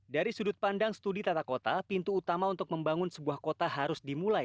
dari sudut pandang studi tata kota pintu utama untuk membangun sebuah kota harus dimulai